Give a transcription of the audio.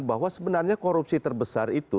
bahwa sebenarnya korupsi terbesar itu